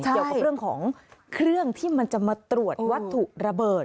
เกี่ยวกับเรื่องของเครื่องที่มันจะมาตรวจวัตถุระเบิด